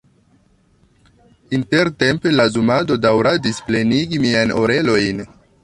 Intertempe la zumado daŭradis plenigi miajn orelojn.